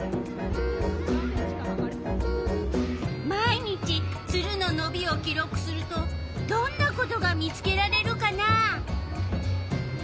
毎日ツルののびを記録するとどんなことが見つけられるかな。